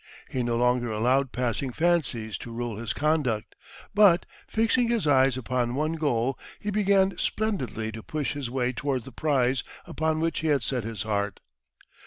He no longer allowed passing fancies to rule his conduct, but, fixing his eye upon one goal, he began splendidly to push his way towards the prize upon which he had set his heart.